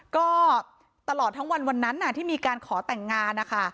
ก็ตลอดทั้งวันวันนั้นที่มีการขอแต่งงานนะคะ